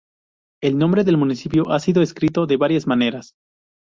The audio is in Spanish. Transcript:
El nombre del municipio ha sido escrito de varias maneras.